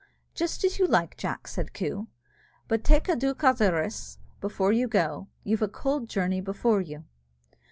"Just as you like, Jack," said Coo, "but take a duc an durrus before you go; you've a cold journey before you."